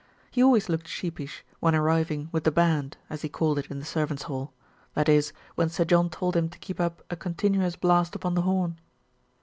He always looked sheepish when arriving "with the band," as he called it in the servants' hall, that is when Sir John told him to keep up a continuous blast upon the horn.